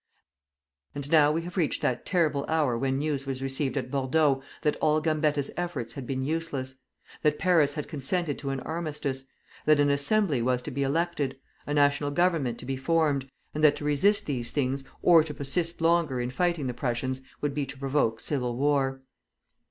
And now we have reached that terrible hour when news was received at Bordeaux that all Gambetta's efforts had been useless; that Paris had consented to an armistice; that an Assembly was to be elected, a National Government to be formed; and that to resist these things or to persist longer in fighting the Prussians would be to provoke civil war.